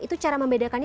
itu cara membedakannya